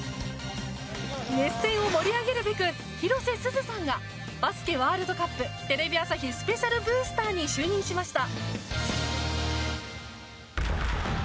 熱戦を盛り上げるべく広瀬すずさんがバスケワールドカップテレビ朝日スペシャルブースターに就任しました！